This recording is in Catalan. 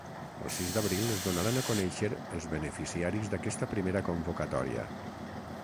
El sis d’abril es donaran a conèixer els beneficiaris d’aquesta primera convocatòria.